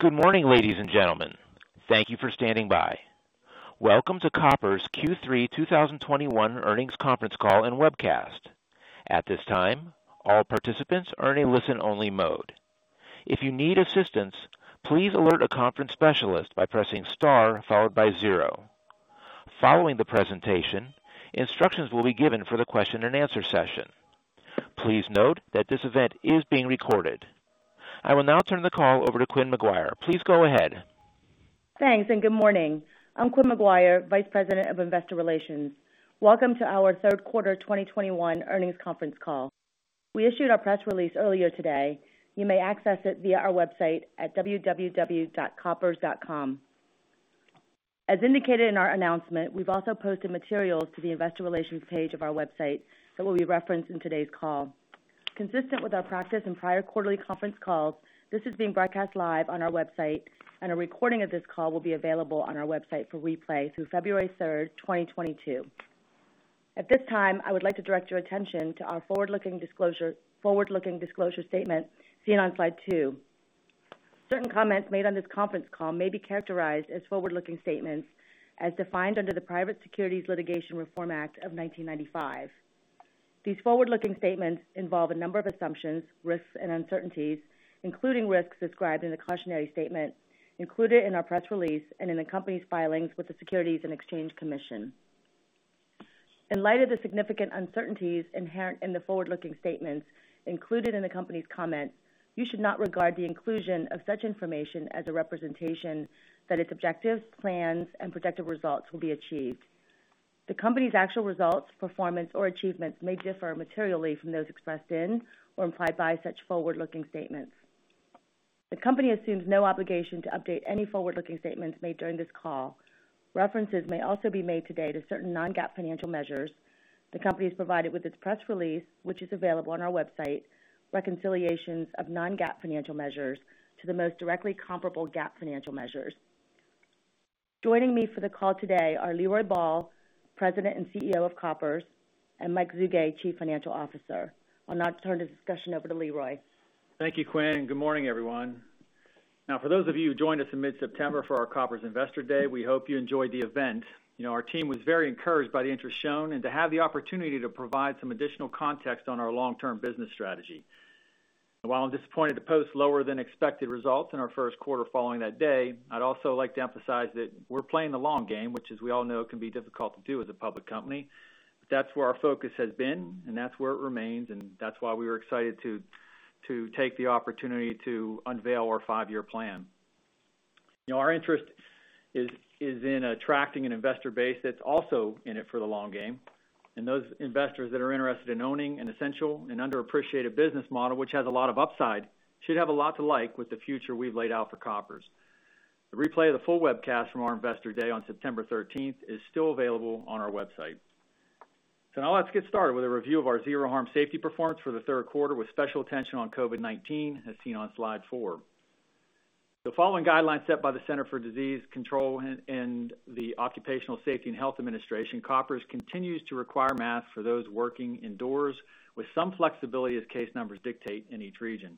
Good morning, ladies and gentlemen. Thank you for standing by. Welcome to Koppers' Q3 2021 earnings conference call and webcast. At this time, all participants are in a listen-only mode. If you need assistance, please alert a conference specialist by pressing star followed by zero. Following the presentation, instructions will be given for the question and answer session. Please note that this event is being recorded. I will now turn the call over to Quynh McGuire. Please go ahead. Thanks, and good morning. I'm Quynh McGuire, Vice President of Investor Relations. Welcome to our third quarter 2021 earnings conference call. We issued our press release earlier today. You may access it via our website at www.koppers.com. As indicated in our announcement, we've also posted materials to the investor relations page of our website that will be referenced in today's call. Consistent with our practice in prior quarterly conference calls, this is being broadcast live on our website, and a recording of this call will be available on our website for replay through February 3rd, 2022. At this time, I would like to direct your attention to our forward-looking disclosure statement seen on slide two. Certain comments made on this conference call may be characterized as forward-looking statements as defined under the Private Securities Litigation Reform Act of 1995. These forward-looking statements involve a number of assumptions, risks, and uncertainties, including risks described in the cautionary statement included in our press release and in the company's filings with the Securities and Exchange Commission. In light of the significant uncertainties inherent in the forward-looking statements included in the company's comments, you should not regard the inclusion of such information as a representation that its objectives, plans, and projected results will be achieved. The company's actual results, performance, or achievements may differ materially from those expressed in or implied by such forward-looking statements. The company assumes no obligation to update any forward-looking statements made during this call. References may also be made today to certain non-GAAP financial measures. The company has provided, with its press release, which is available on our website, reconciliations of non-GAAP financial measures to the most directly comparable GAAP financial measures. Joining me for the call today are Leroy Ball, President and CEO of Koppers, and Mike Zugay, Chief Financial Officer. I'll now turn the discussion over to Leroy. Thank you, Quynh, and good morning, everyone. Now, for those of you who joined us in mid-September for our Koppers Investor Day, we hope you enjoyed the event. You know, our team was very encouraged by the interest shown and to have the opportunity to provide some additional context on our long-term business strategy. While I'm disappointed to post lower than expected results in our first quarter following that day, I'd also like to emphasize that we're playing the long game, which, as we all know, can be difficult to do as a public company. That's where our focus has been, and that's where it remains, and that's why we were excited to take the opportunity to unveil our five-year plan. You know, our interest is in attracting an investor base that's also in it for the long game. Those investors that are interested in owning an essential and underappreciated business model, which has a lot of upside, should have a lot to like with the future we've laid out for Koppers. The replay of the full webcast from our Investor Day on September 13th is still available on our website. Now let's get started with a review of our Zero Harm safety performance for the third quarter, with special attention on COVID-19, as seen on slide four. Following the guidelines set by the Centers for Disease Control and Prevention and the Occupational Safety and Health Administration, Koppers continues to require masks for those working indoors with some flexibility as case numbers dictate in each region.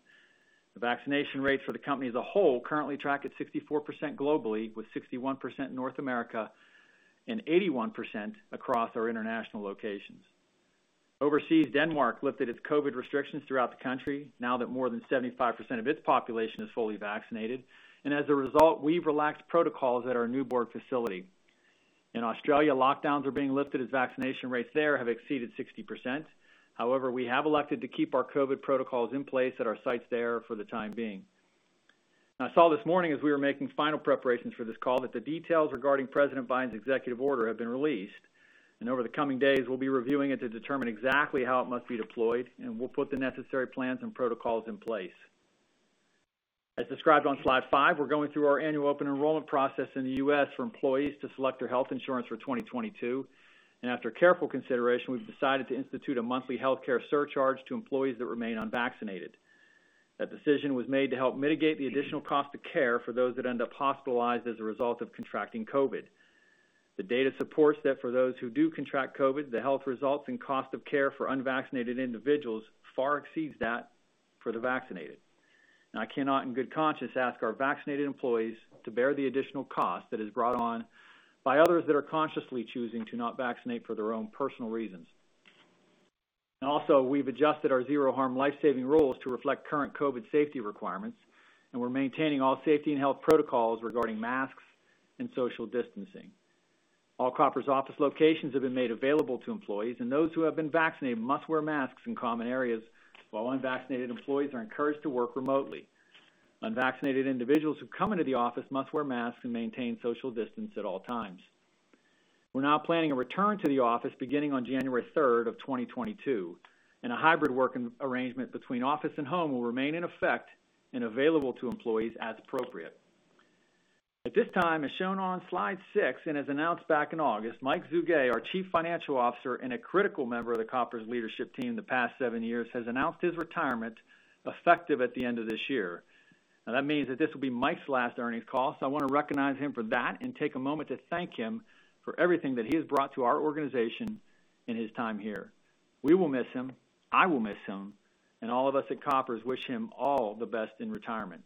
The vaccination rates for the company as a whole currently track at 64% globally, with 61% North America and 81% across our international locations. Overseas, Denmark lifted its COVID restrictions throughout the country now that more than 75% of its population is fully vaccinated, and as a result, we've relaxed protocols at our Nyborg facility. In Australia, lockdowns are being lifted as vaccination rates there have exceeded 60%. However, we have elected to keep our COVID protocols in place at our sites there for the time being. I saw this morning as we were making final preparations for this call that the details regarding President Biden's executive order have been released, and over the coming days, we'll be reviewing it to determine exactly how it must be deployed, and we'll put the necessary plans and protocols in place. As described on slide five, we're going through our annual open enrollment process in the U.S. for employees to select their health insurance for 2022. After careful consideration, we've decided to institute a monthly healthcare surcharge to employees that remain unvaccinated. That decision was made to help mitigate the additional cost of care for those that end up hospitalized as a result of contracting COVID. The data supports that for those who do contract COVID, the health results and cost of care for unvaccinated individuals far exceeds that for the vaccinated. I cannot, in good conscience, ask our vaccinated employees to bear the additional cost that is brought on by others that are consciously choosing to not vaccinate for their own personal reasons. We've adjusted our Zero Harm life-saving rules to reflect current COVID safety requirements, and we're maintaining all safety and health protocols regarding masks and social distancing. All Koppers office locations have been made available to employees, and those who have been vaccinated must wear masks in common areas, while unvaccinated employees are encouraged to work remotely. Unvaccinated individuals who come into the office must wear masks and maintain social distance at all times. We're now planning a return to the office beginning on January 3rd of 2022, and a hybrid working arrangement between office and home will remain in effect and available to employees as appropriate. At this time, as shown on slide six, and as announced back in August, Mike Zugay, our Chief Financial Officer and a critical member of the Koppers leadership team the past seven years, has announced his retirement effective at the end of this year. Now, that means that this will be Mike's last earnings call, so I wanna recognize him for that and take a moment to thank him for everything that he has brought to our organization in his time here. We will miss him, I will miss him, and all of us at Koppers wish him all the best in retirement.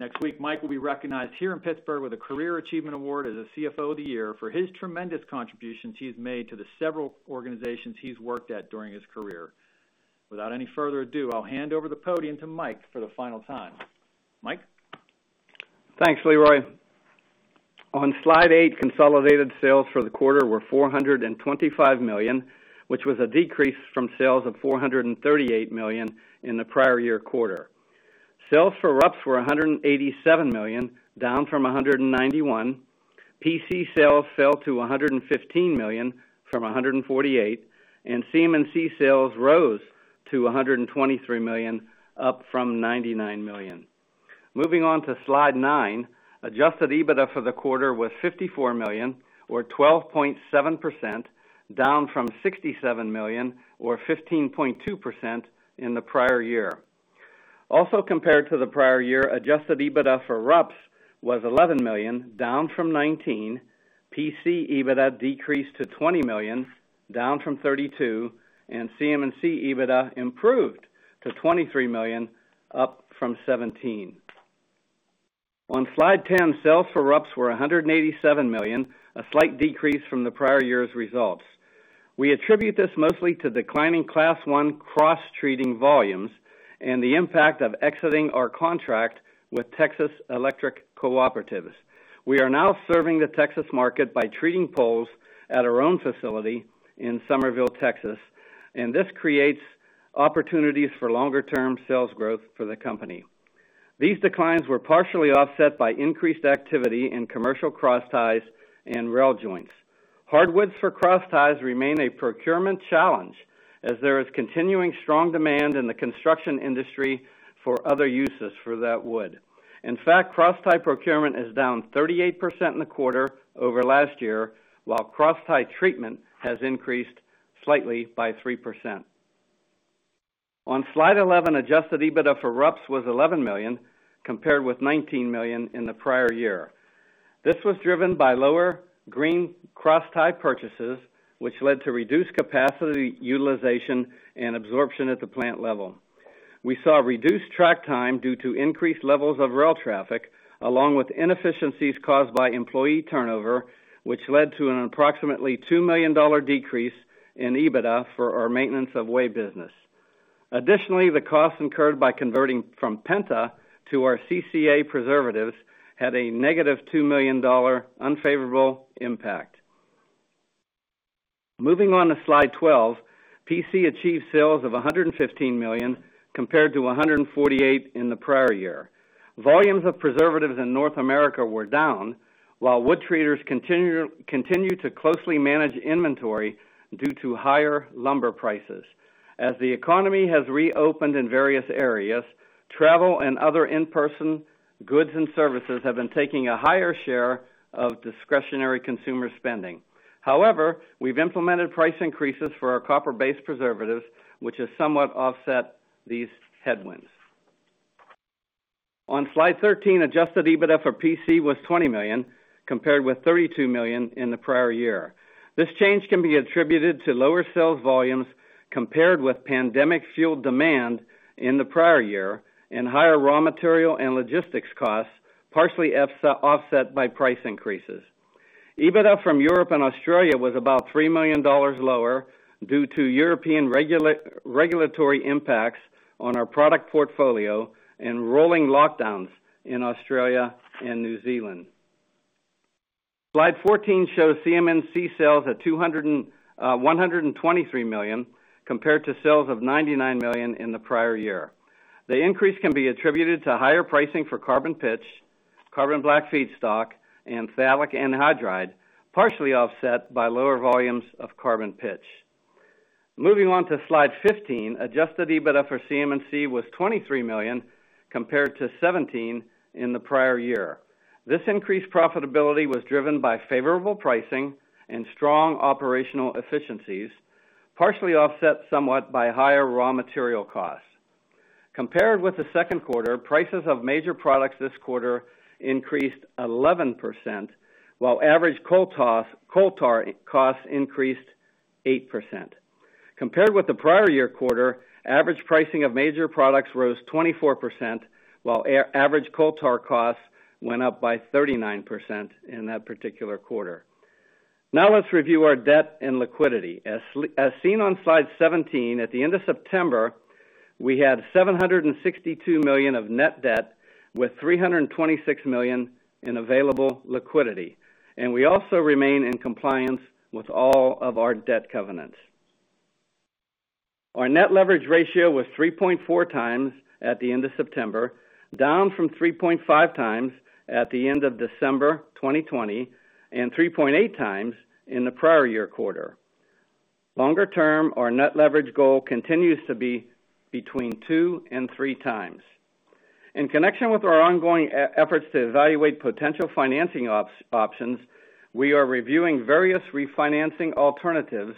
Next week, Mike will be recognized here in Pittsburgh with a career achievement award as a CFO of the Year for his tremendous contributions he has made to the several organizations he's worked at during his career. Without any further ado, I'll hand over the podium to Mike for the final time. Mike? Thanks, Leroy. On slide eight, consolidated sales for the quarter were $425 million, which was a decrease from sales of $438 million in the prior year quarter. Sales for RUPS were $187 million, down from $191 million. PC sales fell to $115 million from $148 million, and CMC sales rose to $123 million, up from $99 million. Moving on to slide nine, adjusted EBITDA for the quarter was $54 million or 12.7%, down from $67 million or 15.2% in the prior year. Also compared to the prior year, adjusted EBITDA for RUPS was $11 million, down from $19 million. PC EBITDA decreased to $20 million, down from $32 million, and CM&C EBITDA improved to $23 million, up from $17 million. On slide ten, sales for RUPS were $187 million, a slight decrease from the prior year's results. We attribute this mostly to declining Class I cross-treating volumes and the impact of exiting our contract with Texas Electric Cooperatives. We are now serving the Texas market by treating poles at our own facility in Somerville, Texas, and this creates opportunities for longer-term sales growth for the company. These declines were partially offset by increased activity in commercial cross ties and rail joints. Hardwoods for crossties remain a procurement challenge as there is continuing strong demand in the construction industry for other uses for that wood. In fact, cross tie procurement is down 38% in the quarter over last year, while cross tie treatment has increased slightly by 3%. On slide 11, adjusted EBITDA for RUPS was $11 million, compared with $19 million in the prior year. This was driven by lower green crosstie purchases, which led to reduced capacity utilization and absorption at the plant level. We saw reduced track time due to increased levels of rail traffic, along with inefficiencies caused by employee turnover, which led to an approximately $2 million decrease in EBITDA for our maintenance of way business. Additionally, the cost incurred by converting from penta to our CCA preservatives had a negative $2 million unfavorable impact. Moving on to slide 12, PC achieved sales of $115 million compared to $148 million in the prior year. Volumes of preservatives in North America were down while wood treaters continue to closely manage inventory due to higher lumber prices. As the economy has reopened in various areas, travel and other in-person goods and services have been taking a higher share of discretionary consumer spending. However, we've implemented price increases for our copper-based preservatives, which has somewhat offset these headwinds. On slide 13, adjusted EBITDA for PC was $20 million, compared with $32 million in the prior year. This change can be attributed to lower sales volumes compared with pandemic-fueled demand in the prior year and higher raw material and logistics costs, partially offset by price increases. EBITDA from Europe and Australia was about $3 million lower due to European regulatory impacts on our product portfolio and rolling lockdowns in Australia and New Zealand. Slide 14 shows CMC sales at $123 million, compared to sales of $99 million in the prior year. The increase can be attributed to higher pricing for coal tar pitch, carbon black feedstock, and phthalic anhydride, partially offset by lower volumes of carbon pitch. Moving on to slide 15, adjusted EBITDA for CMC was $23 million, compared to $17 million in the prior year. This increased profitability was driven by favorable pricing and strong operational efficiencies, partially offset somewhat by higher raw material costs. Compared with the second quarter, prices of major products this quarter increased 11%, while average coal tar costs increased 8%. Compared with the prior year quarter, average pricing of major products rose 24%, while average coal tar costs went up by 39% in that particular quarter. Now let's review our debt and liquidity. As seen on slide 17, at the end of September, we had $762 million of net debt with $326 million in available liquidity, and we also remain in compliance with all of our debt covenants. Our net leverage ratio was 3.4x at the end of September, down from 3.5x at the end of December 2020, and 3.8x in the prior year quarter. Longer term, our net leverage goal continues to be between 2x and 3x. In connection with our ongoing efforts to evaluate potential financing options, we are reviewing various refinancing alternatives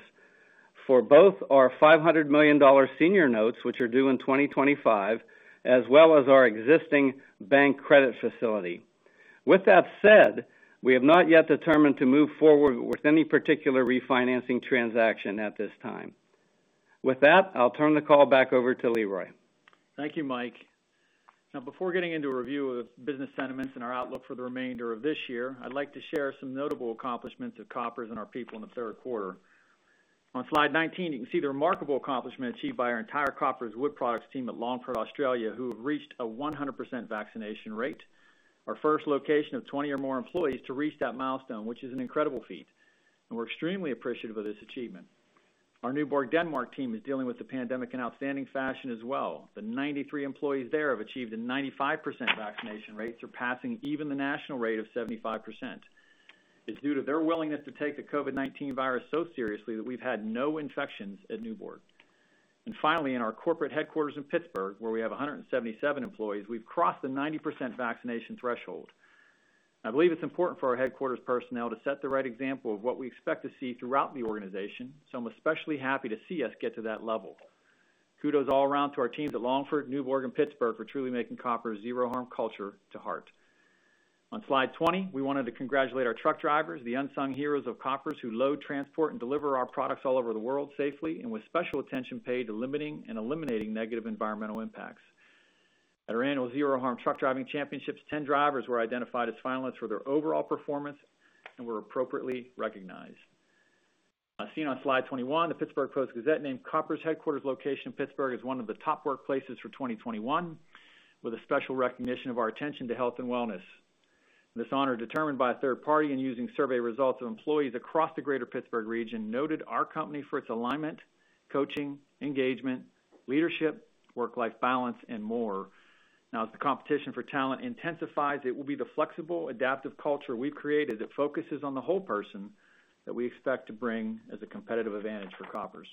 for both our $500 million senior notes, which are due in 2025, as well as our existing bank credit facility. With that said, we have not yet determined to move forward with any particular refinancing transaction at this time. With that, I'll turn the call back over to Leroy. Thank you, Mike. Now, before getting into a review of the business sentiments and our outlook for the remainder of this year, I'd like to share some notable accomplishments of Koppers and our people in the third quarter. On Slide 19, you can see the remarkable accomplishment achieved by our entire Koppers Wood Products team at Longford, Australia, who have reached a 100% vaccination rate, our first location of 20 or more employees to reach that milestone, which is an incredible feat. We're extremely appreciative of this achievement. Our Nyborg, Denmark team is dealing with the pandemic in outstanding fashion as well. The 93 employees there have achieved a 95% vaccination rate, surpassing even the national rate of 75%. It's due to their willingness to take the COVID-19 virus so seriously that we've had no infections at Nyborg. Finally, in our corporate headquarters in Pittsburgh, where we have 177 employees, we've crossed the 90% vaccination threshold. I believe it's important for our headquarters personnel to set the right example of what we expect to see throughout the organization, so I'm especially happy to see us get to that level. Kudos all around to our teams at Longford, Nyborg, and Pittsburgh for truly taking Koppers Zero Harm culture to heart. On Slide 20, we wanted to congratulate our truck drivers, the unsung heroes of Koppers, who load, transport, and deliver our products all over the world safely and with special attention paid to limiting and eliminating negative environmental impacts. At our annual Zero Harm Truck Driving Championships, 10 drivers were identified as finalists for their overall performance and were appropriately recognized. As seen on Slide 21, the Pittsburgh Post-Gazette named Koppers headquarters location in Pittsburgh as one of the top workplaces for 2021, with a special recognition of our attention to health and wellness. This honor, determined by a third party and using survey results of employees across the Greater Pittsburgh region, noted our company for its alignment, coaching, engagement, leadership, work-life balance, and more. Now, as the competition for talent intensifies, it will be the flexible, adaptive culture we've created that focuses on the whole person that we expect to bring as a competitive advantage for Koppers.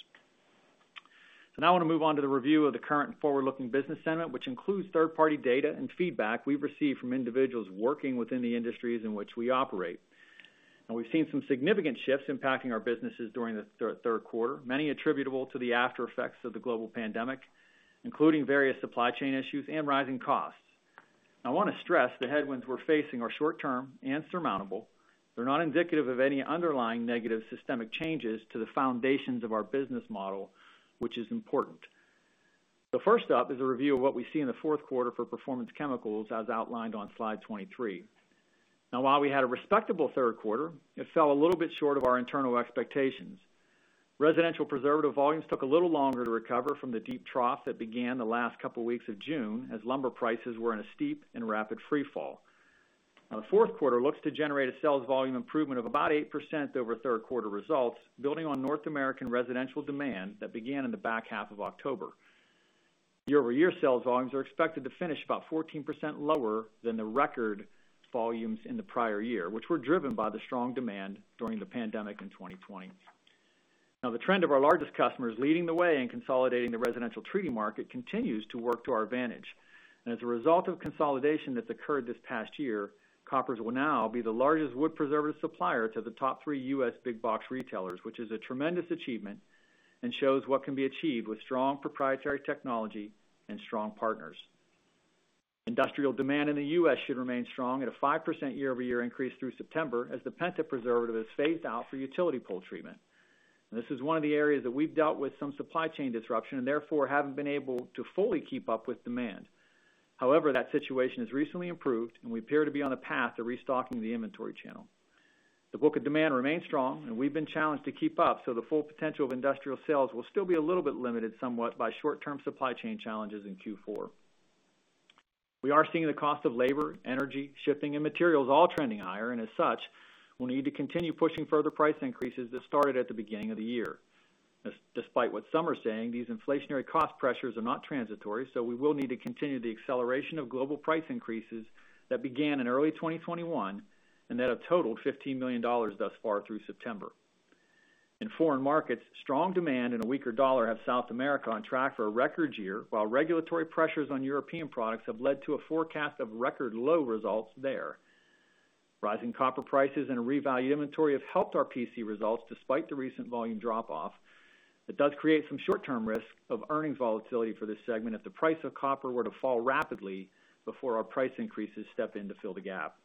Now I wanna move on to the review of the current forward-looking business sentiment, which includes third-party data and feedback we've received from individuals working within the industries in which we operate. Now we've seen some significant shifts impacting our businesses during the third quarter, many attributable to the after effects of the global pandemic, including various supply chain issues and rising costs. I wanna stress the headwinds we're facing are short term and surmountable. They're not indicative of any underlying negative systemic changes to the foundations of our business model, which is important. First up is a review of what we see in the fourth quarter for Performance Chemicals, as outlined on Slide 23. Now, while we had a respectable third quarter, it fell a little bit short of our internal expectations. Residential preservative volumes took a little longer to recover from the deep trough that began the last couple weeks of June, as lumber prices were in a steep and rapid free fall. Now the fourth quarter looks to generate a sales volume improvement of about 8% over third quarter results, building on North American residential demand that began in the back half of October. Year-over-year sales volumes are expected to finish about 14% lower than the record volumes in the prior year, which were driven by the strong demand during the pandemic in 2020. Now the trend of our largest customers leading the way in consolidating the residential treating market continues to work to our advantage. As a result of consolidation that's occurred this past year, Koppers will now be the largest wood preservative supplier to the top three U.S. big box retailers, which is a tremendous achievement and shows what can be achieved with strong proprietary technology and strong partners. Industrial demand in the U.S. should remain strong at a 5% year-over-year increase through September as the Penta preservative is phased out for utility pole treatment. This is one of the areas that we've dealt with some supply chain disruption, and therefore haven't been able to fully keep up with demand. However, that situation has recently improved, and we appear to be on a path to restocking the inventory channel. The book of demand remains strong, and we've been challenged to keep up, so the full potential of industrial sales will still be a little bit limited somewhat by short-term supply chain challenges in Q4. We are seeing the cost of labor, energy, shipping, and materials all trending higher, and as such, we'll need to continue pushing further price increases that started at the beginning of the year. Despite what some are saying, these inflationary cost pressures are not transitory, so we will need to continue the acceleration of global price increases that began in early 2021 and that have totaled $15 million thus far through September. In foreign markets, strong demand and a weaker dollar have South America on track for a record year, while regulatory pressures on European products have led to a forecast of record low results there. Rising copper prices and a revalued inventory have helped our PC results despite the recent volume drop-off, but does create some short-term risk of earnings volatility for this segment if the price of copper were to fall rapidly before our price increases step in to fill the gap.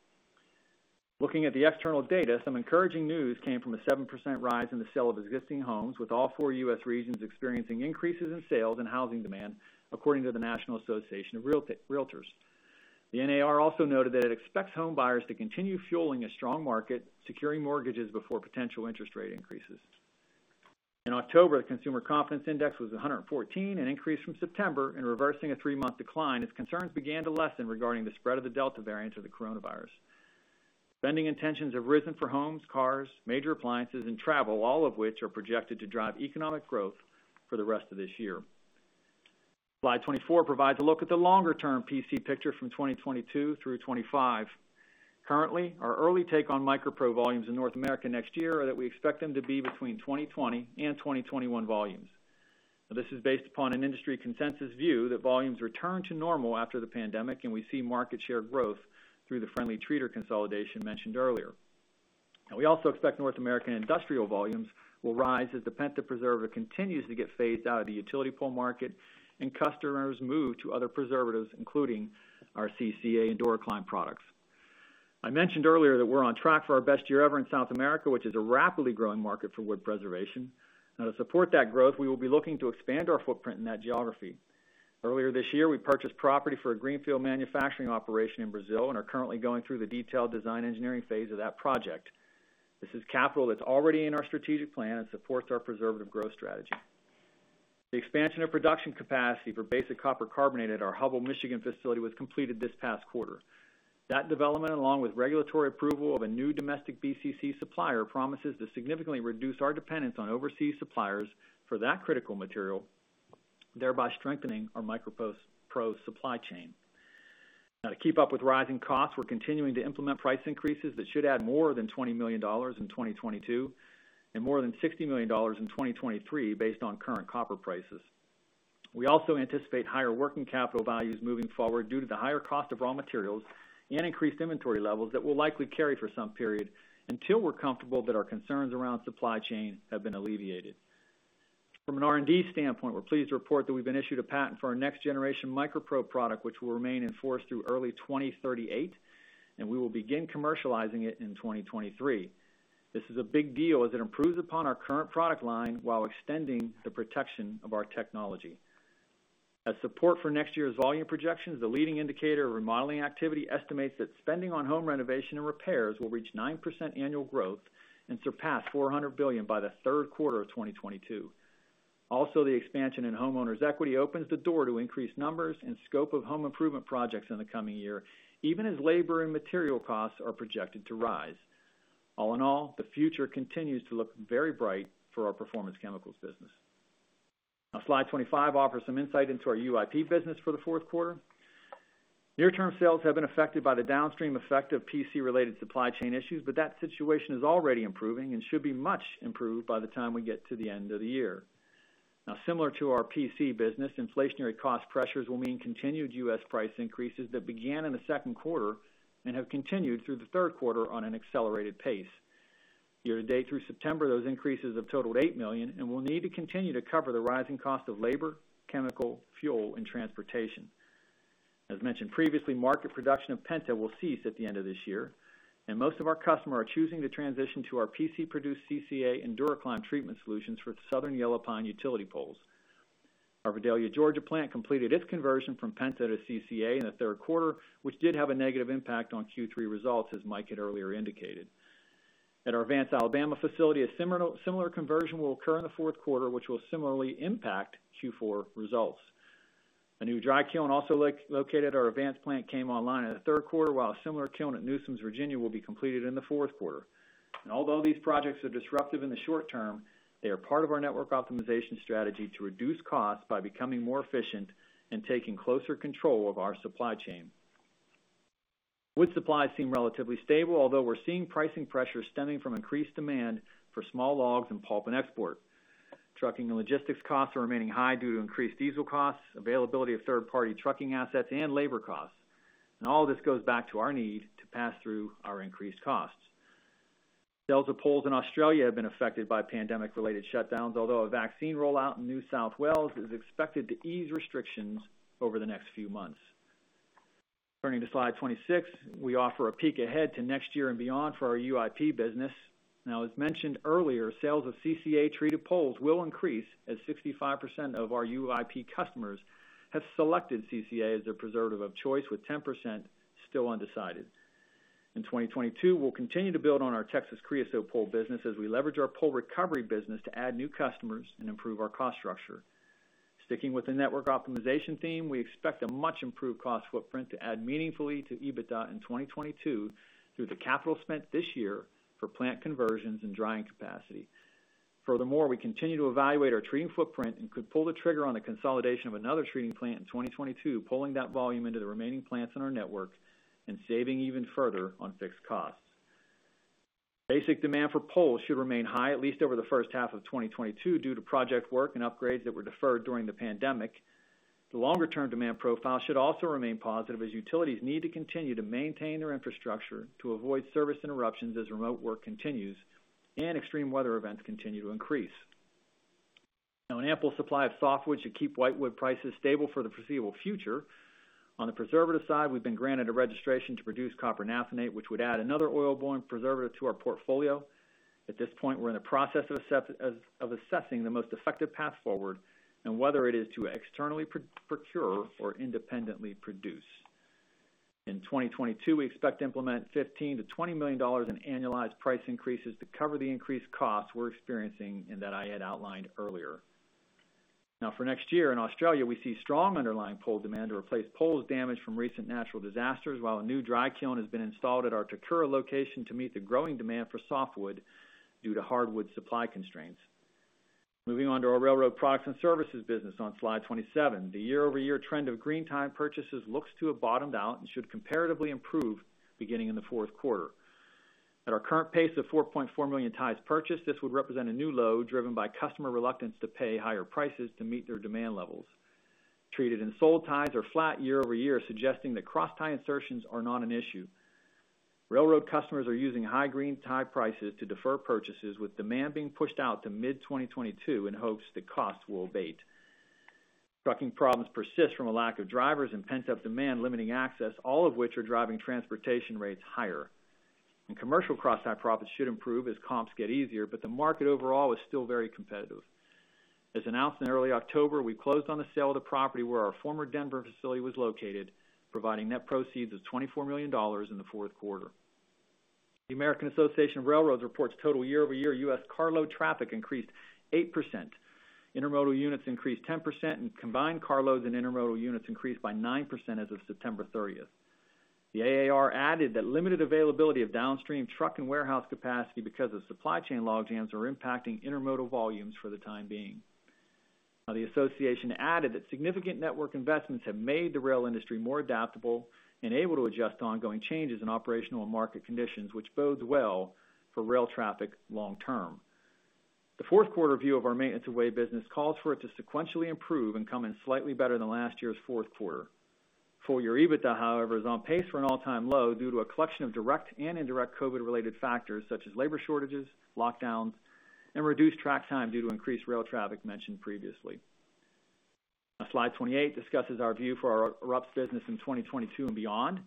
Looking at the external data, some encouraging news came from a 7% rise in the sale of existing homes, with all four U.S. regions experiencing increases in sales and housing demand, according to the National Association of Realtors. The NAR also noted that it expects home buyers to continue fueling a strong market, securing mortgages before potential interest rate increases. In October, the Consumer Confidence Index was 114, an increase from September in reversing a three-month decline as concerns began to lessen regarding the spread of the Delta variant of the coronavirus. Spending intentions have risen for homes, cars, major appliances, and travel, all of which are projected to drive economic growth for the rest of this year. Slide 24 provides a look at the longer-term PC picture from 2022 through 2025. Currently, our early take on MicroPro volumes in North America next year are that we expect them to be between 2020 and 2021 volumes. Now this is based upon an industry consensus view that volumes return to normal after the pandemic, and we see market share growth through the friendly treater consolidation mentioned earlier. We also expect North American industrial volumes will rise as the Penta preservative continues to get phased out of the utility pole market and customers move to other preservatives, including our CCA and DuraClimb products. I mentioned earlier that we're on track for our best year ever in South America, which is a rapidly growing market for wood preservation. Now, to support that growth, we will be looking to expand our footprint in that geography. Earlier this year, we purchased property for a greenfield manufacturing operation in Brazil and are currently going through the detailed design engineering phase of that project. This is capital that's already in our strategic plan and supports our preservative growth strategy. The expansion of production capacity for basic copper carbonate at our Hubbell, Michigan facility was completed this past quarter. That development, along with regulatory approval of a new domestic BCC supplier, promises to significantly reduce our dependence on overseas suppliers for that critical material, thereby strengthening our MicroPro supply chain. Now to keep up with rising costs, we're continuing to implement price increases that should add more than $20 million in 2022, and more than $60 million in 2023 based on current copper prices. We also anticipate higher working capital values moving forward due to the higher cost of raw materials and increased inventory levels that will likely carry for some period until we're comfortable that our concerns around supply chain have been alleviated. From an R&D standpoint, we're pleased to report that we've been issued a patent for our next generation MicroPro product, which will remain in force through early 2038, and we will begin commercializing it in 2023. This is a big deal as it improves upon our current product line while extending the protection of our technology. As support for next year's volume projections, the leading indicator of remodeling activity estimates that spending on home renovation and repairs will reach 9% annual growth and surpass $400 billion by the third quarter of 2022. The expansion in homeowners equity opens the door to increased numbers and scope of home improvement projects in the coming year, even as labor and material costs are projected to rise. All in all, the future continues to look very bright for our Performance Chemicals business. Now, slide 25 offers some insight into our UIP business for the fourth quarter. Near-term sales have been affected by the downstream effect of PC-related supply chain issues, but that situation is already improving and should be much improved by the time we get to the end of the year. Now, similar to our PC business, inflationary cost pressures will mean continued U.S. price increases that began in the second quarter and have continued through the third quarter on an accelerated pace. Year-to-date through September, those increases have totaled $8 million and will need to continue to cover the rising cost of labor, chemical, fuel, and transportation. As mentioned previously, market production of Penta will cease at the end of this year, and most of our customers are choosing to transition to our PC-produced CCA and DuraClimb treatment solutions for Southern Yellow Pine utility poles. Our Vidalia, Georgia plant completed its conversion from Penta to CCA in the third quarter, which did have a negative impact on Q3 results, as Mike had earlier indicated. At our Vance, Alabama facility, a similar conversion will occur in the fourth quarter, which will similarly impact Q4 results. A new dry kiln also located at our Vance plant came online in the third quarter, while a similar kiln at Newsoms, Virginia will be completed in the fourth quarter. Although these projects are disruptive in the short term, they are part of our network optimization strategy to reduce costs by becoming more efficient and taking closer control of our supply chain. Wood supplies seem relatively stable, although we're seeing pricing pressures stemming from increased demand for small logs and pulp and export. Trucking and logistics costs are remaining high due to increased diesel costs, availability of third-party trucking assets, and labor costs. All this goes back to our need to pass through our increased costs. Sales of poles in Australia have been affected by pandemic-related shutdowns, although a vaccine rollout in New South Wales is expected to ease restrictions over the next few months. Turning to slide 26, we offer a peek ahead to next year and beyond for our UIP business. Now, as mentioned earlier, sales of CCA-treated poles will increase as 65% of our UIP customers have selected CCA as their preservative of choice, with 10% still undecided. In 2022, we'll continue to build on our Texas creosote pole business as we leverage our pole recovery business to add new customers and improve our cost structure. Sticking with the network optimization theme, we expect a much-improved cost footprint to add meaningfully to EBITDA in 2022 through the capital spent this year for plant conversions and drying capacity. Furthermore, we continue to evaluate our treating footprint and could pull the trigger on the consolidation of another treating plant in 2022, pulling that volume into the remaining plants in our network and saving even further on fixed costs. Basic demand for poles should remain high at least over the first half of 2022 due to project work and upgrades that were deferred during the pandemic. The longer-term demand profile should also remain positive as utilities need to continue to maintain their infrastructure to avoid service interruptions as remote work continues and extreme weather events continue to increase. Now, an ample supply of softwood should keep whitewood prices stable for the foreseeable future. On the preservative side, we've been granted a registration to produce copper naphthenate, which would add another oil-borne preservative to our portfolio. At this point, we're in the process of assessing the most effective path forward and whether it is to externally procure or independently produce. In 2022, we expect to implement $15 million-$20 million in annualized price increases to cover the increased costs we're experiencing and that I had outlined earlier. Now, for next year, in Australia, we see strong underlying pole demand to replace poles damaged from recent natural disasters, while a new dry kiln has been installed at our Takura location to meet the growing demand for softwood due to hardwood supply constraints. Moving on to our Railroad Products and Services business on slide 27. The year-over-year trend of green tie purchases looks to have bottomed out and should comparatively improve beginning in the fourth quarter. At our current pace of 4.4 million ties purchased, this would represent a new low driven by customer reluctance to pay higher prices to meet their demand levels. Treated and sold ties are flat year-over-year, suggesting that crosstie insertions are not an issue. Railroad customers are using high green tie prices to defer purchases, with demand being pushed out to mid-2022 in hopes that costs will abate. Trucking problems persist from a lack of drivers and pent-up demand limiting access, all of which are driving transportation rates higher. Commercial crosstie profits should improve as comps get easier, but the market overall is still very competitive. As announced in early October, we closed on the sale of the property where our former Denver facility was located, providing net proceeds of $24 million in the fourth quarter. The American Association of Railroads reports total year-over-year U.S. carload traffic increased 8%. Intermodal units increased 10%, and combined carloads and intermodal units increased by 9% as of September 30th. The AAR added that limited availability of downstream truck and warehouse capacity because of supply chain logjams are impacting intermodal volumes for the time being. Now the association added that significant network investments have made the rail industry more adaptable and able to adjust to ongoing changes in operational and market conditions, which bodes well for rail traffic long term. The fourth quarter view of our maintenance of way business calls for it to sequentially improve and come in slightly better than last year's fourth quarter. Full year EBITDA, however, is on pace for an all-time low due to a collection of direct and indirect COVID-related factors such as labor shortages, lockdowns, and reduced track time due to increased rail traffic mentioned previously. Now slide 28 discusses our view for our RUPS business in 2022 and beyond.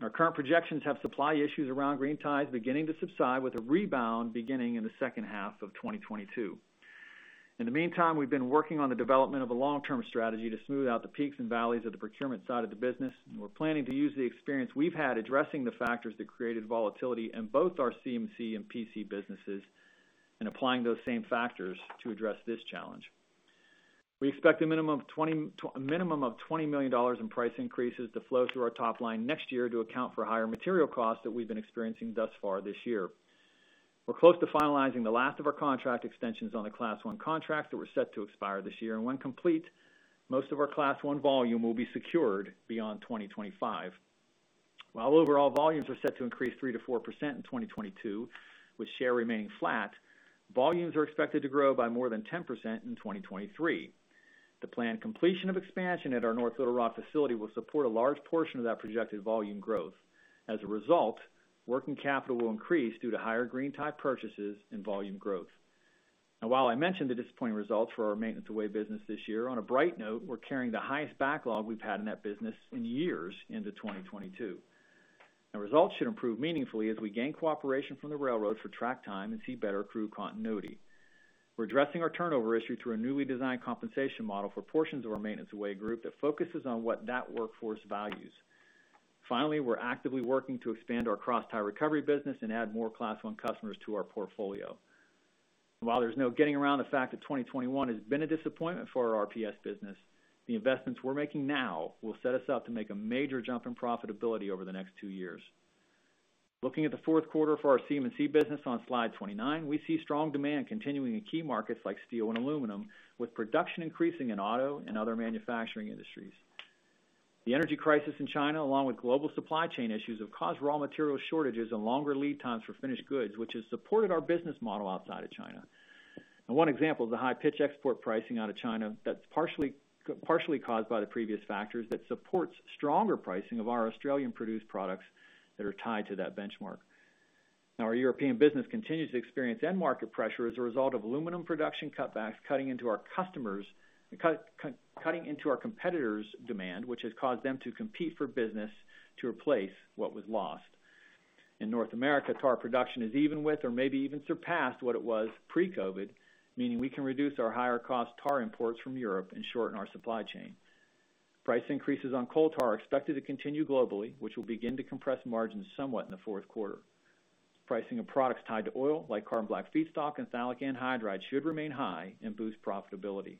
Our current projections have supply issues around green ties beginning to subside, with a rebound beginning in the second half of 2022. In the meantime, we've been working on the development of a long-term strategy to smooth out the peaks and valleys of the procurement side of the business. We're planning to use the experience we've had addressing the factors that created volatility in both our CM&C and PC businesses and applying those same factors to address this challenge. We expect a minimum of $20 million in price increases to flow through our top line next year to account for higher material costs that we've been experiencing thus far this year. We're close to finalizing the last of our contract extensions on the Class I contracts that were set to expire this year, and when complete, most of our Class I volume will be secured beyond 2025. While overall volumes are set to increase 3%-4% in 2022, with share remaining flat, volumes are expected to grow by more than 10% in 2023. The planned completion of expansion at our North Little Rock facility will support a large portion of that projected volume growth. As a result, working capital will increase due to higher green tie purchases and volume growth. While I mentioned the disappointing results for our maintenance of way business this year, on a bright note, we're carrying the highest backlog we've had in that business in years into 2022. Results should improve meaningfully as we gain cooperation from the railroad for track time and see better crew continuity. We're addressing our turnover issue through a newly designed compensation model for portions of our maintenance of way group that focuses on what that workforce values. Finally, we're actively working to expand our crosstie recovery business and add more Class I customers to our portfolio. While there's no getting around the fact that 2021 has been a disappointment for our RUPS business, the investments we're making now will set us up to make a major jump in profitability over the next two years. Looking at the fourth quarter for our CMC business on slide 29, we see strong demand continuing in key markets like steel and aluminum, with production increasing in auto and other manufacturing industries. The energy crisis in China, along with global supply chain issues, have caused raw material shortages and longer lead times for finished goods, which has supported our business model outside of China. Now one example is the high pitch export pricing out of China that's partially caused by the previous factors that supports stronger pricing of our Australian-produced products that are tied to that benchmark. Now our European business continues to experience end market pressure as a result of aluminum production cutbacks cutting into our competitors' demand, which has caused them to compete for business to replace what was lost. In North America, tar production is even with or maybe even surpassed what it was pre-COVID, meaning we can reduce our higher cost tar imports from Europe and shorten our supply chain. Price increases on coal tar are expected to continue globally, which will begin to compress margins somewhat in the fourth quarter. Pricing of products tied to oil, like carbon black feedstock and phthalic anhydride, should remain high and boost profitability.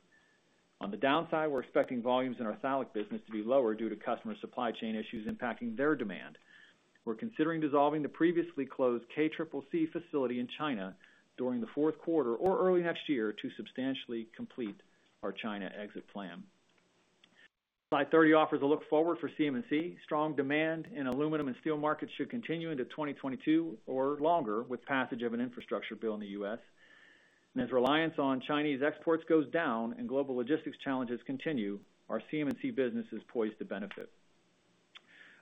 On the downside, we're expecting volumes in our phthalic business to be lower due to customer supply chain issues impacting their demand. We're considering dissolving the previously closed KCCC facility in China during the fourth quarter or early next year to substantially complete our China exit plan. Slide 30 offers a look forward for CMC. Strong demand in aluminum and steel markets should continue into 2022 or longer with passage of an infrastructure bill in the U.S. As reliance on Chinese exports goes down and global logistics challenges continue, our CMC business is poised to benefit.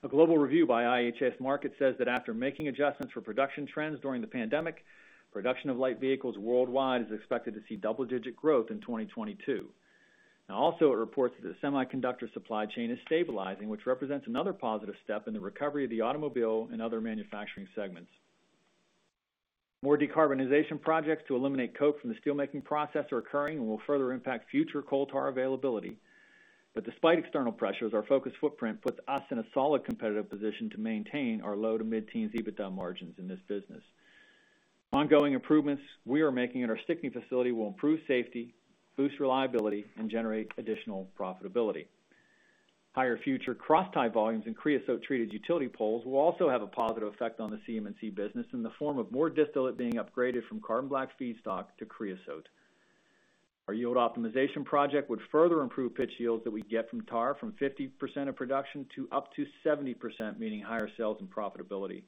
A global review by IHS Markit says that after making adjustments for production trends during the pandemic, production of light vehicles worldwide is expected to see double-digit growth in 2022. Now also it reports that the semiconductor supply chain is stabilizing, which represents another positive step in the recovery of the automobile and other manufacturing segments. More decarbonization projects to eliminate coke from the steelmaking process are occurring and will further impact future coal tar availability. Despite external pressures, our focused footprint puts us in a solid competitive position to maintain our low-to-mid-teens EBITDA margins in this business. Ongoing improvements we are making at our Stickney facility will improve safety, boost reliability, and generate additional profitability. Higher future crosstie volumes in creosote treated utility poles will also have a positive effect on the CMC business in the form of more distillate being upgraded from carbon black feedstock to creosote. Our yield optimization project would further improve pitch yields that we get from tar from 50% of production to up to 70%, meaning higher sales and profitability.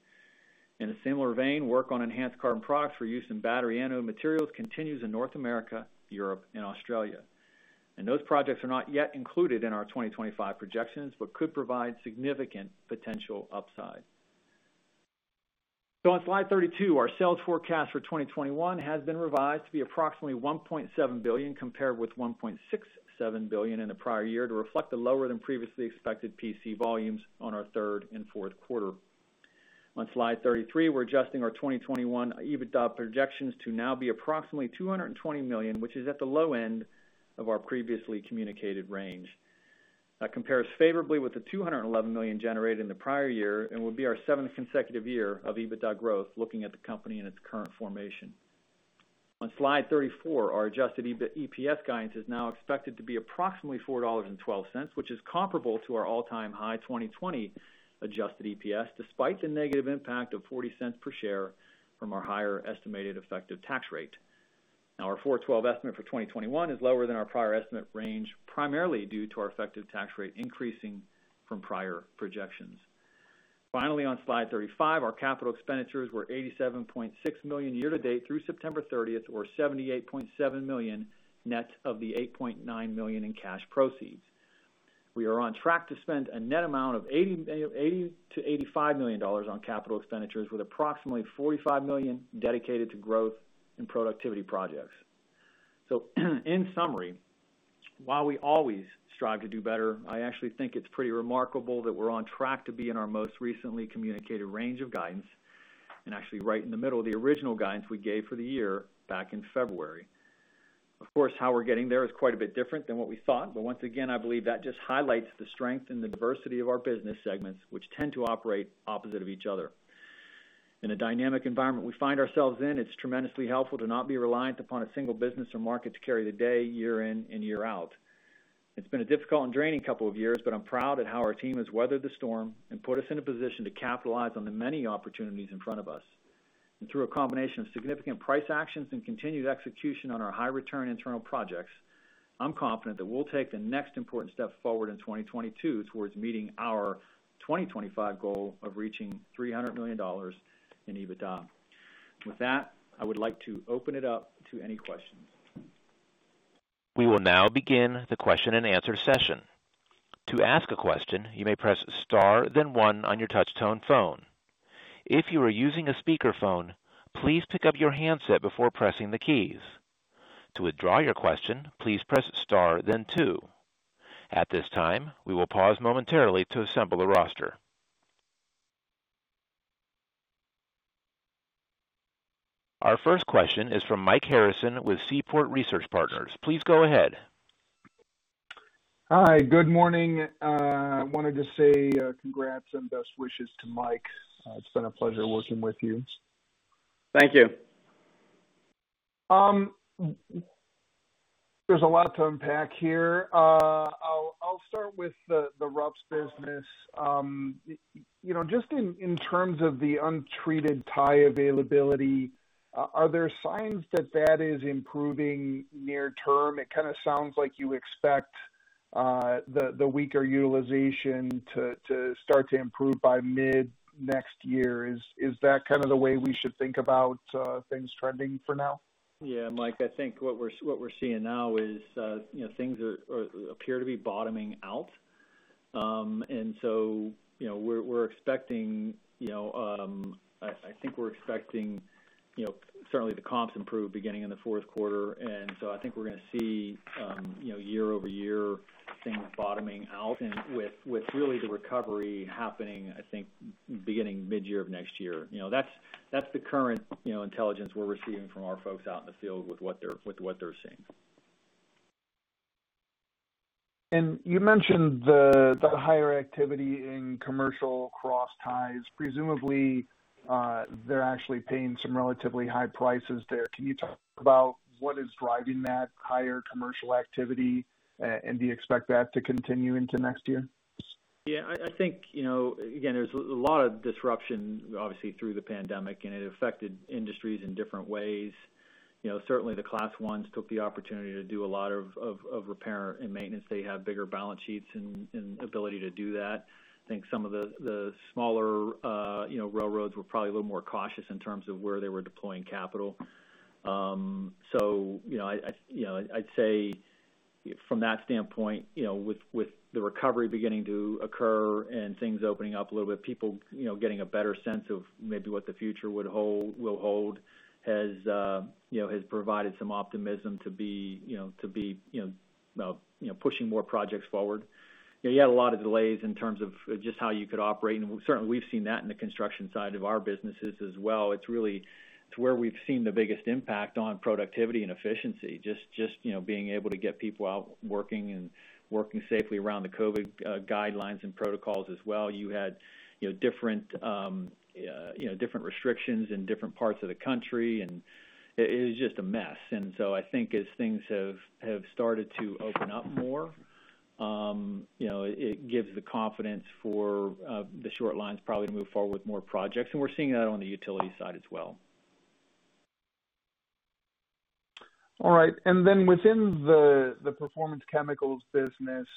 In a similar vein, work on enhanced carbon products for use in battery anode materials continues in North America, Europe and Australia. Those projects are not yet included in our 2025 projections, but could provide significant potential upside. On slide 32, our sales forecast for 2021 has been revised to be approximately $1.7 billion, compared with $1.67 billion in the prior year to reflect the lower than previously expected PC volumes in our third and fourth quarter. On slide 33, we're adjusting our 2021 EBITDA projections to now be approximately $220 million, which is at the low end of our previously communicated range. That compares favorably with the $211 million generated in the prior year and will be our seventh consecutive year of EBITDA growth looking at the company in its current formation. On slide 34, our adjusted EPS guidance is now expected to be approximately $4.12, which is comparable to our all-time high 2020 adjusted EPS, despite the negative impact of $0.40 per share from our higher estimated effective tax rate. Our $4.12 estimate for 2021 is lower than our prior estimate range, primarily due to our effective tax rate increasing from prior projections. Finally, on slide 35, our capital expenditures were $87.6 million year to date through September 30th, or $78.7 million net of the $8.9 million in cash proceeds. We are on track to spend a net amount of $80 million-$85 million on capital expenditures, with approximately $45 million dedicated to growth and productivity projects. In summary, while we always strive to do better, I actually think it's pretty remarkable that we're on track to be in our most recently communicated range of guidance, and actually right in the middle of the original guidance we gave for the year back in February. Of course, how we're getting there is quite a bit different than what we thought. Once again, I believe that just highlights the strength and the diversity of our business segments, which tend to operate opposite of each other. In a dynamic environment we find ourselves in, it's tremendously helpful to not be reliant upon a single business or market to carry the day year in and year out. It's been a difficult and draining couple of years, but I'm proud of how our team has weathered the storm and put us in a position to capitalize on the many opportunities in front of us. Through a combination of significant price actions and continued execution on our high return internal projects, I'm confident that we'll take the next important step forward in 2022 towards meeting our 2025 goal of reaching $300 million in EBITDA. With that, I would like to open it up to any questions. We will now begin the question and answer session. To ask a question, you may press star then one on your touchtone phone. If you are using a speakerphone, please pick up your handset before pressing the keys. To withdraw your question, please press star then two. At this time, we will pause momentarily to assemble a roster. Our first question is from Mike Harrison with Seaport Research Partners. Please go ahead. Hi. Good morning. I wanted to say congrats and best wishes to Mike. It's been a pleasure working with you. Thank you. There's a lot to unpack here. I'll start with the RUPS business. You know, just in terms of the untreated tie availability, are there signs that is improving near term? It kind of sounds like you expect the weaker utilization to start to improve by mid next year. Is that kind of the way we should think about things trending for now? Yeah, Mike, I think what we're seeing now is, you know, things appear to be bottoming out. You know, we're expecting, you know, I think we're expecting, you know, certainly the comps improve beginning in the fourth quarter. I think we're gonna see, you know, year-over-year things bottoming out and with really the recovery happening, I think beginning mid-year of next year. You know, that's the current, you know, intelligence we're receiving from our folks out in the field with what they're seeing. You mentioned the higher activity in commercial crossties. Presumably, they're actually paying some relatively high prices there. Can you talk about what is driving that higher commercial activity? Do you expect that to continue into next year? Yeah. I think, you know, again, there's a lot of disruption obviously through the pandemic, and it affected industries in different ways. You know, certainly the Class I's took the opportunity to do a lot of repair and maintenance. They have bigger balance sheets and ability to do that. I think some of the smaller, you know, railroads were probably a little more cautious in terms of where they were deploying capital. You know, I'd say from that standpoint, you know, with the recovery beginning to occur and things opening up a little bit, people, you know, getting a better sense of maybe what the future will hold has provided some optimism to be, you know, pushing more projects forward. You had a lot of delays in terms of just how you could operate, and certainly we've seen that in the construction side of our businesses as well. It's really to where we've seen the biggest impact on productivity and efficiency, just you know, being able to get people out working and working safely around the COVID guidelines and protocols as well. You had you know different restrictions in different parts of the country, and it was just a mess. I think as things have started to open up more you know it gives the confidence for the short lines probably to move forward with more projects. We're seeing that on the utility side as well. All right. Within the Performance Chemicals business,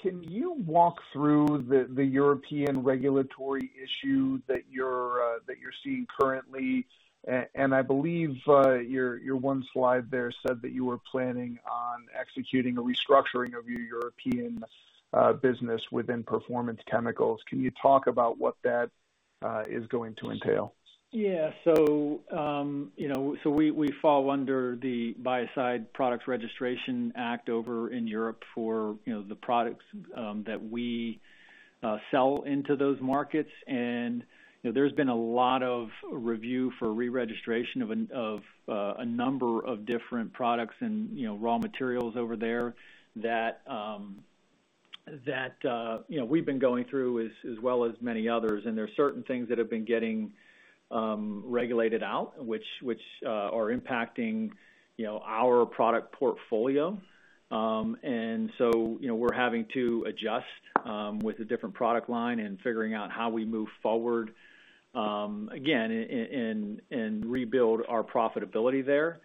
can you walk through the European regulatory issue that you're seeing currently? I believe your one slide there said that you were planning on executing a restructuring of your European business within Performance Chemicals. Can you talk about what that is going to entail? Yeah, you know, we fall under the Biocide Products Registration Act over in Europe for the products that we sell into those markets. You know, there's been a lot of review for re-registration of a number of different products and raw materials over there that we've been going through as well as many others. There are certain things that have been getting regulated out, which are impacting our product portfolio. You know, we're having to adjust with a different product line and figuring out how we move forward, again, and rebuild our profitability there.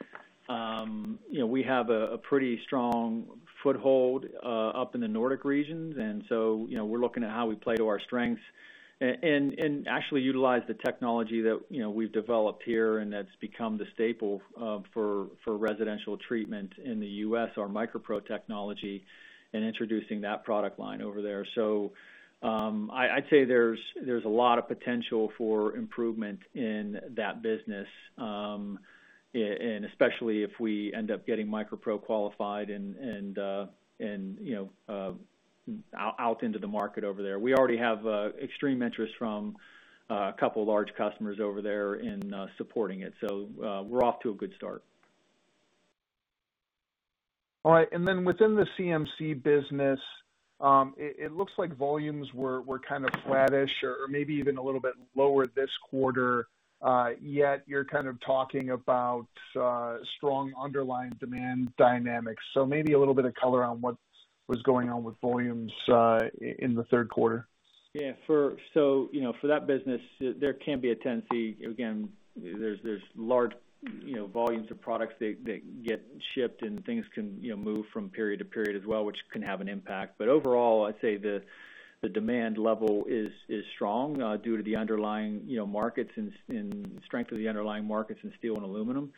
You know, we have a pretty strong foothold up in the Nordic regions. You know, we're looking at how we play to our strengths and actually utilize the technology that, you know, we've developed here, and that's become the staple for residential treatment in the U.S., our MicroPro technology, and introducing that product line over there. I'd say there's a lot of potential for improvement in that business, and especially if we end up getting MicroPro qualified and, you know, out into the market over there. We already have extreme interest from a couple large customers over there in supporting it. We're off to a good start. All right. Then within the CMC business, it looks like volumes were kind of flattish or maybe even a little bit lower this quarter, yet you're kind of talking about strong underlying demand dynamics. Maybe a little bit of color on what was going on with volumes in the third quarter. For that business, there can be a tendency, again, there's large volumes of products that get shipped and things can, you know, move from period to period as well, which can have an impact. Overall, I'd say the demand level is strong due to the underlying, you know, markets and strength of the underlying markets in steel and aluminum.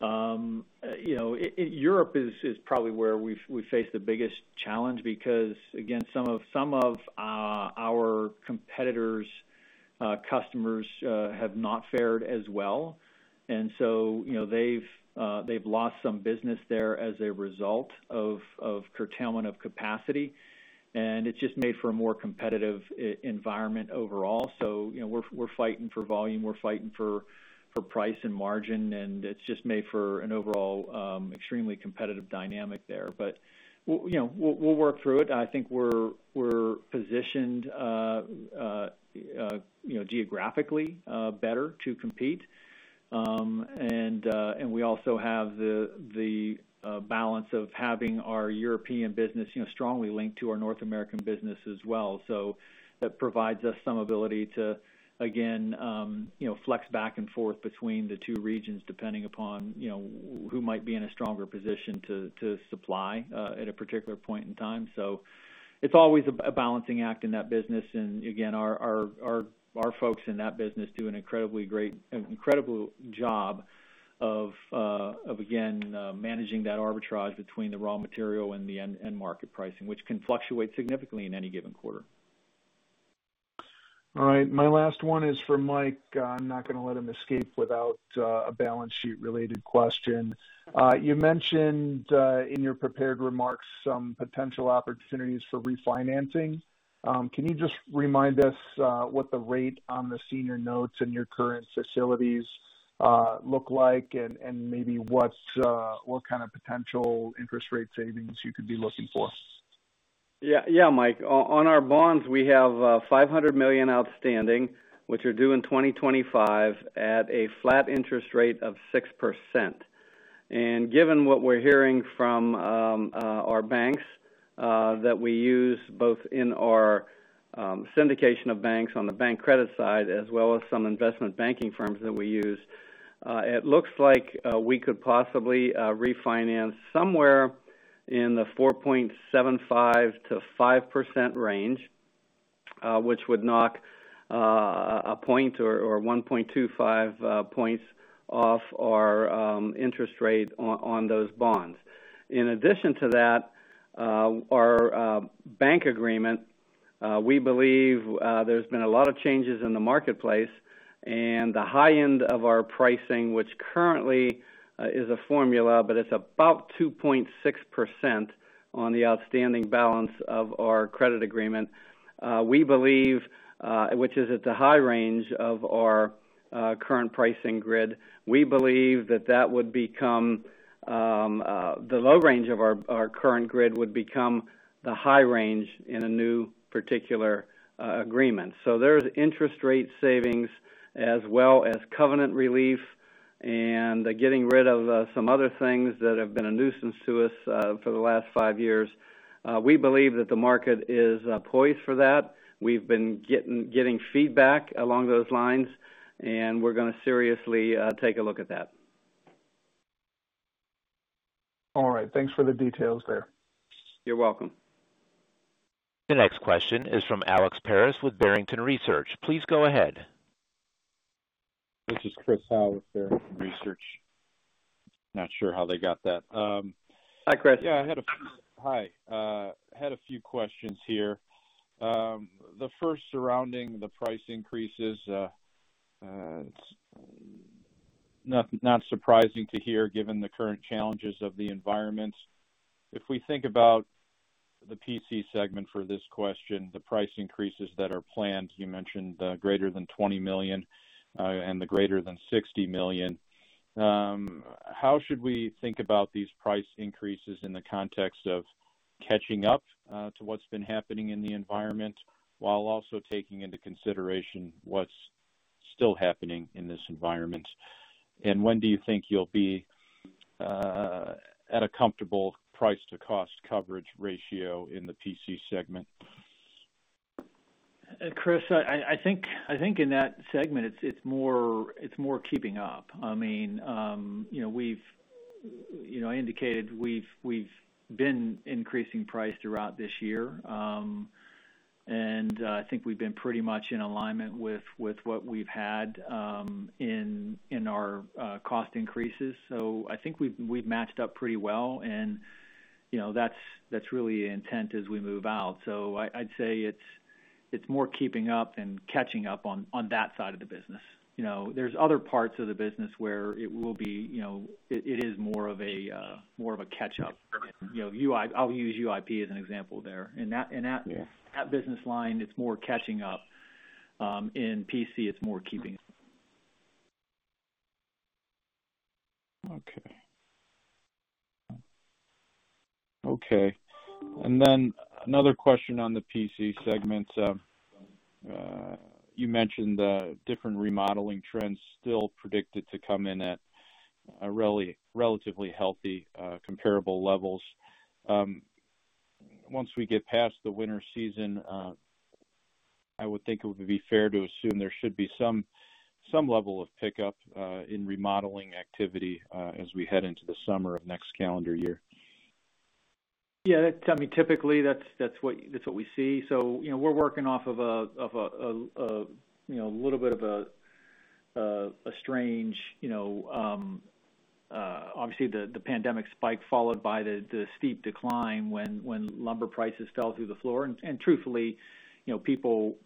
You know, in Europe is probably where we face the biggest challenge because, again, some of our competitors' customers have not fared as well. You know, they've lost some business there as a result of curtailment of capacity, and it's just made for a more competitive environment overall. We're fighting for volume, we're fighting for price and margin, and it's just made for an overall extremely competitive dynamic there. We work through it. I think we're positioned geographically better to compete. We also have the balance of having our European business strongly linked to our North American business as well. That provides us some ability to again flex back and forth between the two regions, depending upon who might be in a stronger position to supply at a particular point in time. It's always a balancing act in that business. Again, our folks in that business do an incredible job of again managing that arbitrage between the raw material and the end market pricing, which can fluctuate significantly in any given quarter. All right. My last one is for Mike. I'm not gonna let him escape without a balance sheet related question. You mentioned in your prepared remarks some potential opportunities for refinancing. Can you just remind us what the rate on the senior notes in your current facilities look like and maybe what kind of potential interest rate savings you could be looking for? Yeah, yeah, Mike. On our bonds, we have $500 million outstanding, which are due in 2025 at a flat interest rate of 6%. Given what we're hearing from our banks that we use both in our syndication of banks on the bank credit side as well as some investment banking firms that we use, it looks like we could possibly refinance somewhere in the 4.75%-5% range, which would knock a point or 1.25 points off our interest rate on those bonds. In addition to that, our bank agreement, we believe there's been a lot of changes in the marketplace and the high end of our pricing, which currently is a formula, but it's about 2.6% on the outstanding balance of our credit agreement. We believe which is at the high range of our current pricing grid, we believe that that would become the low range of our current grid would become the high range in a new particular agreement. There's interest rate savings as well as covenant relief and getting rid of some other things that have been a nuisance to us for the last five years. We believe that the market is poised for that. We've been getting feedback along those lines, and we're gonna seriously take a look at that. All right. Thanks for the details there. You're welcome. The next question is from Alex Paris with Barrington Research. Please go ahead. This is Chris Howe with Barrington Research. Not sure how they got that. Hi, Chris. I had a few questions here. The first surrounding the price increases. It's not surprising to hear, given the current challenges of the environment. If we think about the PC segment for this question, the price increases that are planned, you mentioned, greater than $20 million and greater than $60 million. How should we think about these price increases in the context of catching up to what's been happening in the environment while also taking into consideration what's still happening in this environment? And when do you think you'll be at a comfortable price to cost coverage ratio in the PC segment? Chris, I think in that segment, it's more keeping up. I mean, you know, we've indicated we've been increasing price throughout this year. I think we've been pretty much in alignment with what we've had in our cost increases. I think we've matched up pretty well. You know, that's really the intent as we move out. I'd say it's more keeping up and catching up on that side of the business. You know, there's other parts of the business where it will be, you know, it is more of a catch up. You know, I'll use UIP as an example there. In that. Yeah In that business line, it's more catching up. In PC, it's more keeping. Another question on the PC segments. You mentioned the different remodeling trends still predicted to come in at a really relatively healthy comparable levels. Once we get past the winter season, I would think it would be fair to assume there should be some level of pickup in remodeling activity as we head into the summer of next calendar year. Yeah, that's, I mean, typically that's what we see. We're working off of a little bit of a strange, you know, obviously the pandemic spike followed by the steep decline when lumber prices fell through the floor. Truthfully, you know, people,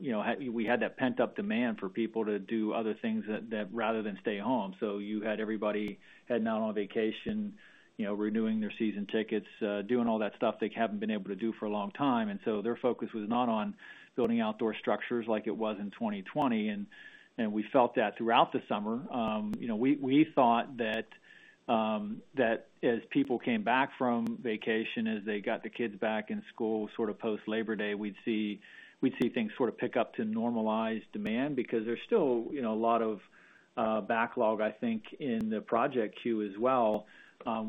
you know, we had that pent-up demand for people to do other things that rather than stay home. You had everybody heading out on vacation, you know, renewing their season tickets, doing all that stuff they haven't been able to do for a long time. Their focus was not on building outdoor structures like it was in 2020. We felt that throughout the summer. You know, we thought that as people came back from vacation, as they got the kids back in school, sort of post Labor Day, we'd see things sort of pick up to normalized demand because there's still, you know, a lot of backlog, I think, in the project queue as well.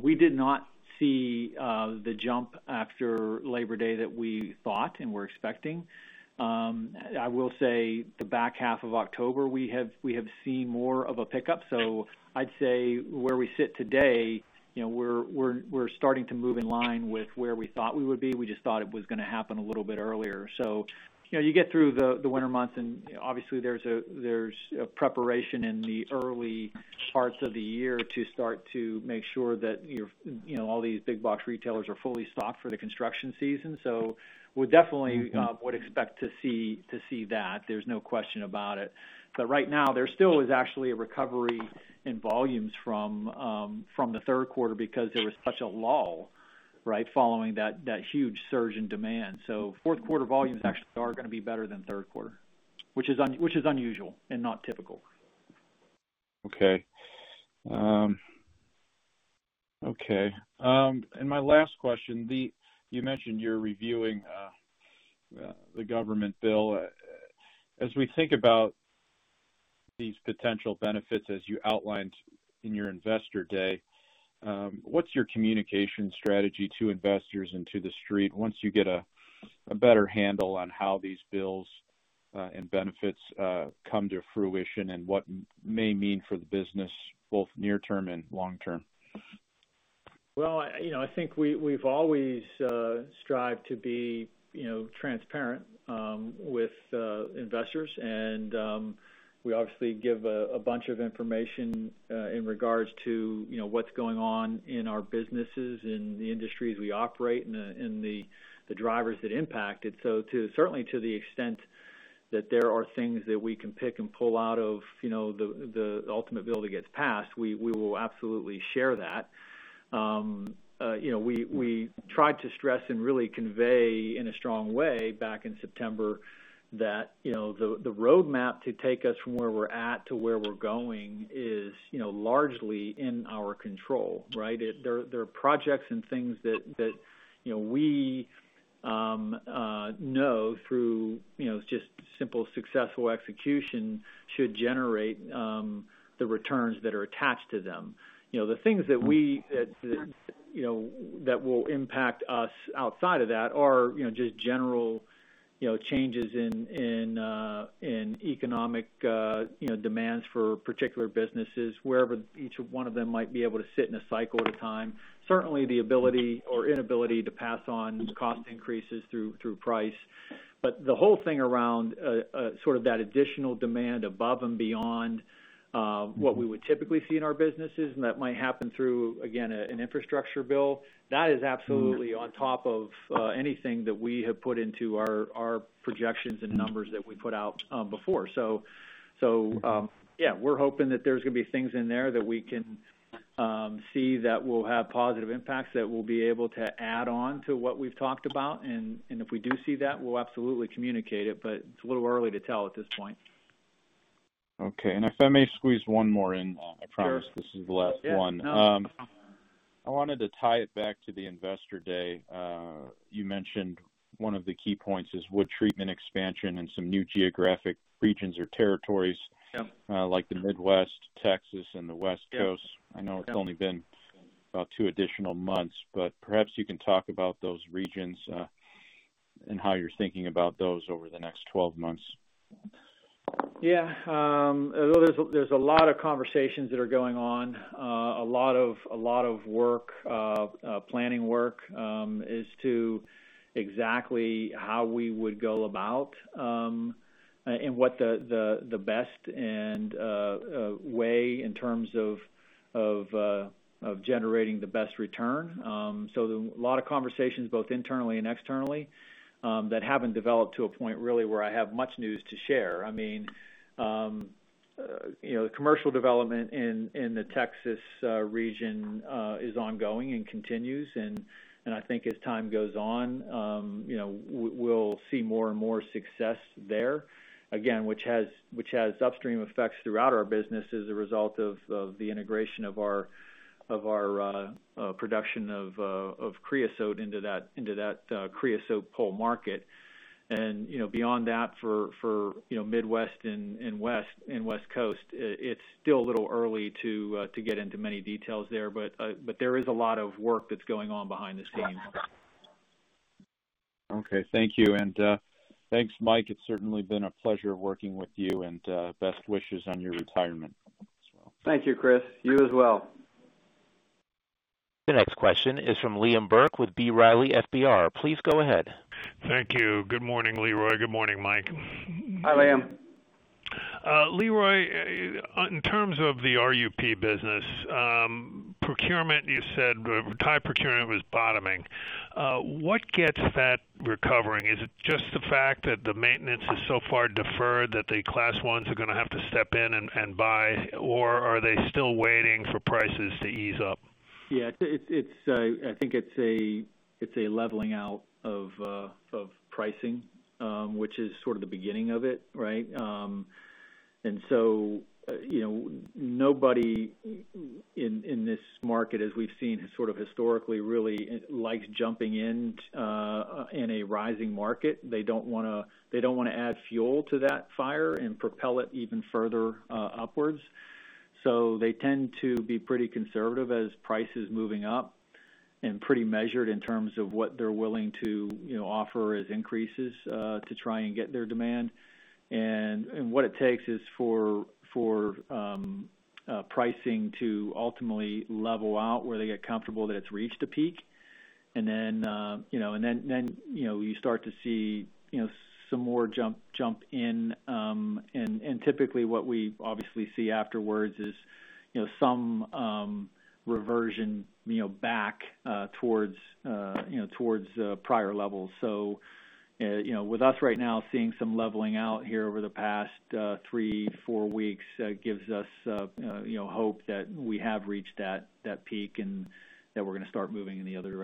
We did not see the jump after Labor Day that we thought and were expecting. I will say the back half of October, we have seen more of a pickup. I'd say where we sit today, you know, we're starting to move in line with where we thought we would be. We just thought it was gonna happen a little bit earlier. You know, you get through the winter months, and obviously there's a preparation in the early parts of the year to start to make sure that your, you know, all these big box retailers are fully stocked for the construction season. We definitely would expect to see that. There's no question about it. But right now, there still is actually a recovery in volumes from the third quarter because there was such a lull, right? Following that huge surge in demand. Fourth quarter volumes actually are gonna be better than third quarter, which is unusual and not typical. My last question: You mentioned you're reviewing the government bill. As we think about these potential benefits, as you outlined in your Investor Day, what's your communication strategy to investors and to the Street once you get a better handle on how these bills and benefits come to fruition and what may mean for the business both near term and long term? Well, you know, I think we've always strived to be, you know, transparent with investors. We obviously give a bunch of information in regards to, you know, what's going on in our businesses, in the industries we operate, in the drivers that impact it. Certainly to the extent that there are things that we can pick and pull out of, you know, the ultimate bill that gets passed, we will absolutely share that. You know, we tried to stress and really convey in a strong way back in September that, you know, the roadmap to take us from where we're at to where we're going is, you know, largely in our control, right? There are projects and things that, you know, through, you know, just simple successful execution should generate the returns that are attached to them. You know, the things that we. Mm-hmm. You know, that will impact us outside of that area, you know, just general, you know, changes in economic, you know, demands for particular businesses, wherever each one of them might be able to sit in a cycle at a time. Certainly, the ability or inability to pass on cost increases through price. The whole thing around sort of that additional demand above and beyond what we would typically see in our businesses, and that might happen through, again, an infrastructure bill, that is absolutely on top of anything that we have put into our projections and numbers that we put out before. We're hoping that there's gonna be things in there that we can see that will have positive impacts that we'll be able to add on to what we've talked about. If we do see that, we'll absolutely communicate it, but it's a little early to tell at this point. Okay. If I may squeeze one more in. Sure. I promise this is the last one. Yeah, no. I wanted to tie it back to the Investor Day. You mentioned one of the key points is wood treatment expansion and some new geographic regions or territories. Yep. Like the Midwest, Texas, and the West Coast. Yep. I know it's only been about two additional months, but perhaps you can talk about those regions, and how you're thinking about those over the next 12 months. Yeah. There's a lot of conversations that are going on. A lot of planning work as to exactly how we would go about and what the best way in terms of generating the best return. A lot of conversations both internally and externally that haven't developed to a point really where I have much news to share. I mean, you know, commercial development in the Texas region is ongoing and continues. I think as time goes on, you know, we'll see more and more success there. Again, which has upstream effects throughout our business as a result of the integration of our production of creosote into that creosote pole market. You know, beyond that for you know, Midwest and West, and West Coast, it's still a little early to get into many details there. There is a lot of work that's going on behind the scenes. Okay. Thank you. Thanks, Mike. It's certainly been a pleasure working with you, and best wishes on your retirement as well. Thank you, Chris. You as well. The next question is from Liam Burke with B. Riley FBR. Please go ahead. Thank you. Good morning, Leroy. Good morning, Mike. Hi, Liam. Leroy, in terms of the RUP business, procurement, you said tie procurement was bottoming. What gets that recovering? Is it just the fact that the maintenance is so far deferred that the Class I's are gonna have to step in and buy, or are they still waiting for prices to ease up? It's a leveling out of pricing, which is sort of the beginning of it, right? You know, nobody in this market, as we've seen sort of historically really likes jumping in in a rising market. They don't wanna add fuel to that fire and propel it even further upwards. They tend to be pretty conservative as price is moving up and pretty measured in terms of what they're willing to, you know, offer as increases to try and get their demand. What it takes is for pricing to ultimately level out where they get comfortable that it's reached a peak. Then, you know, you start to see, you know, some more jump in. Typically what we obviously see afterwards is, you know, some reversion, you know, back towards prior levels. With us right now seeing some leveling out here over the past three to four weeks gives us, you know, hope that we have reached that peak and that we're gonna start moving in the other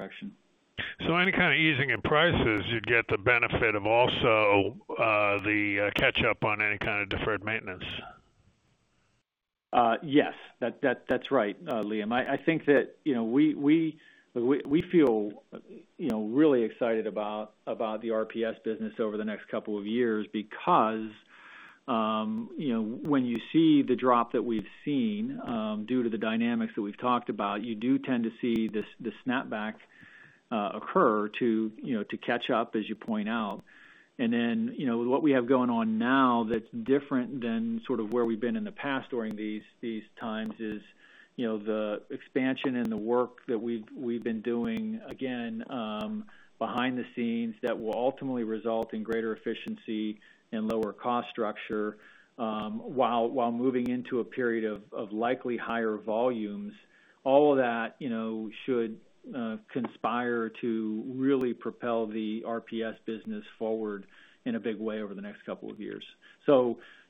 direction. Any kind of easing in prices, you'd get the benefit of also the catch up on any kind of deferred maintenance. Yes. That's right, Liam. I think that, you know, we feel, you know, really excited about the RUPS business over the next couple of years because, you know, when you see the drop that we've seen due to the dynamics that we've talked about, you do tend to see this snapback occur to, you know, to catch up, as you point out. You know, what we have going on now that's different than sort of where we've been in the past during these times is, you know, the expansion and the work that we've been doing, again, behind the scenes that will ultimately result in greater efficiency and lower cost structure while moving into a period of likely higher volumes. All of that, you know, should conspire to really propel the RPS business forward in a big way over the next couple of years.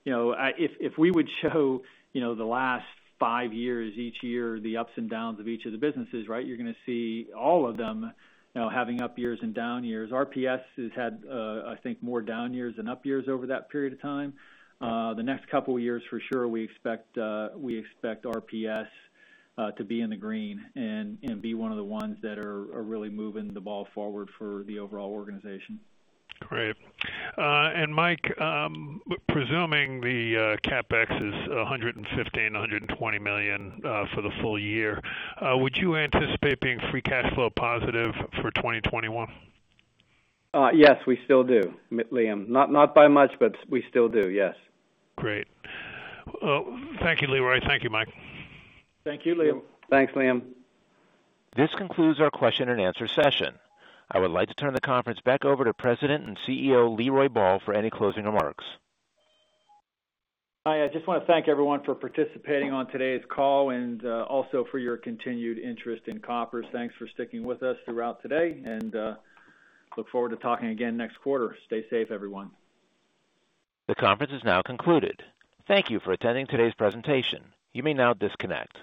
You know, if we would show, you know, the last five years, each year, the ups and downs of each of the businesses, right? You're gonna see all of them, you know, having up years and down years. RPS has had, I think more down years than up years over that period of time. The next couple of years, for sure, we expect RPS to be in the green and be one of the ones that are really moving the ball forward for the overall organization. Great. Mike, presuming the CapEx is $115 million-$120 million for the full year, would you anticipate being free cash flow positive for 2021? Yes, we still do, Liam. Not by much, but we still do, yes. Great. Well, thank you, Leroy. Thank you, Mike. Thank you, Liam. Thanks, Liam. This concludes our question and answer session. I would like to turn the conference back over to President and CEO, Leroy Ball for any closing remarks. I just wanna thank everyone for participating on today's call and also for your continued interest in Koppers. Thanks for sticking with us throughout today, and I look forward to talking again next quarter. Stay safe, everyone. The conference is now concluded. Thank you for attending today's presentation. You may now disconnect.